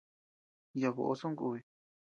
Yaʼa boʼo sonkubi.